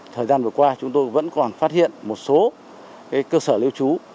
thời gian vừa qua chúng tôi vẫn còn phát hiện một số cơ sở lưu trú